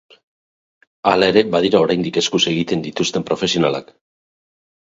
Hala ere, badira oraindik eskuz egiten dituzten profesionalak.